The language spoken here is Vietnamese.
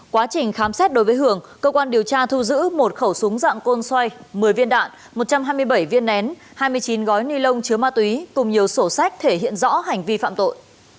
quá trình khám xét đối với hường cơ quan điều tra thu giữ một khẩu súng dạng côn xoay một mươi viên đạn một trăm hai mươi bảy viên nén hai mươi chín gói ni lông chứa ma túy cùng nhiều sổ sách thể hiện rõ hành vi phạm tội